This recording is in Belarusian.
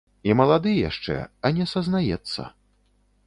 І малады яшчэ, а не сазнаецца.